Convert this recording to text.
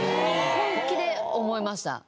本気で思いました。